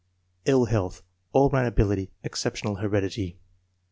Ill health. All round abil ity. Exceptional heredity.